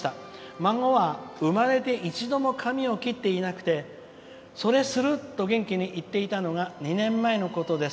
孫は生まれて一度も髪を切っていなくて「それする？」と元気に言っていたのが２年前のことです。